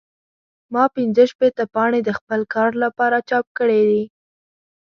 ما پنځه شپېته پاڼې د خپل کار لپاره چاپ کړې دي.